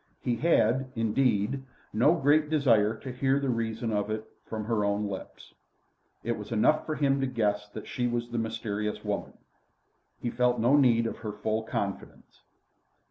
He had, indeed, no great desire to hear the reason of it from her own lips. It was enough for him to guess that she was the mysterious woman. He felt no need of her full confidence.